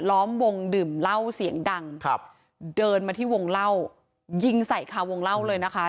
ล้อมวงดื่มเหล้าเสียงดังครับเดินมาที่วงเล่ายิงใส่คาวงเล่าเลยนะคะ